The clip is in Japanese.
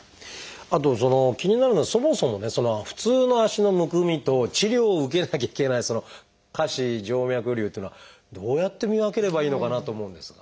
あと気になるのはそもそもね普通の足のむくみと治療を受けなきゃいけない下肢静脈りゅうっていうのはどうやって見分ければいいのかなと思うんですが。